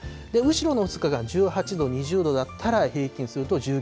後ろの２日間が１８度、２０度だったら平均すると１９度。